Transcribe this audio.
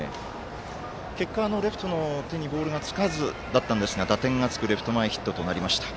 結果、レフトの手にボールがつかずでしたが打点がつくレフト前ヒットになりました。